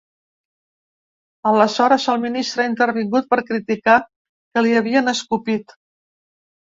Aleshores, el ministre ha intervingut per a criticar que li havien escopit.